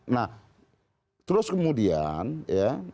nah terus kemudian masalah dokumen dokumen itu